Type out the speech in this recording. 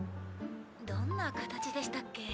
・どんな形でしたっけ。